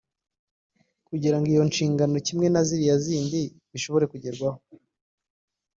kugira ngo iyo nshingano kimwe na ziriya zindi zishobore kugerwaho